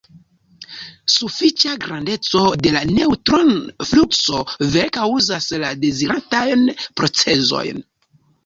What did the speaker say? Sufiĉa grandeco de la neŭtron-flukso vere kaŭzas la deziratajn procezojn.